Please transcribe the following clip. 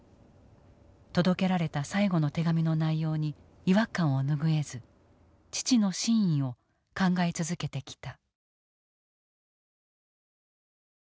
届けられた最後の手紙の内容に違和感を拭えず父の真意を考え続けてきた。